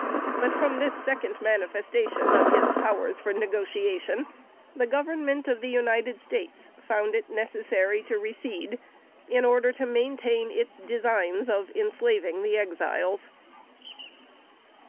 But from this second manifestation of his powers for negotiation, the Government of the United States found it necessary to recede, in order to maintain its designs of enslaving the Exiles.